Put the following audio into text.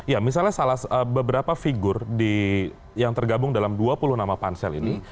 ya misalnya beberapa figur yang tergabung dalam dua puluh nama pansel ini